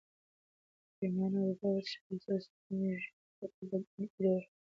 پرېمانه اوبه وڅښه ترڅو په سپین ږیرتوب کې له ګونډه کېدو وژغورل شې.